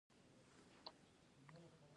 هغې د زړه له کومې د منظر ستاینه هم وکړه.